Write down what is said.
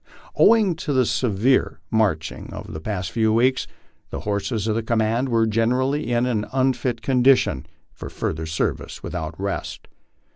Owing to the severe marching of the past few weeks, the horses of the command were generally in an unfit condi tion for further service without rest.